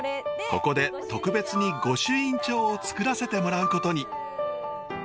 ここで特別に御朱印帳を作らせてもらうことに。